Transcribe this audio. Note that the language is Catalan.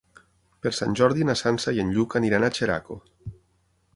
Per Sant Jordi na Sança i en Lluc aniran a Xeraco.